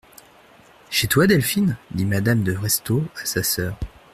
Chez toi, Delphine ? dit madame de Restaud à sa sœur.